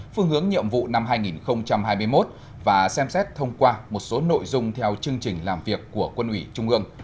phương hướng nhiệm vụ năm hai nghìn hai mươi một và xem xét thông qua một số nội dung theo chương trình làm việc của quân ủy trung ương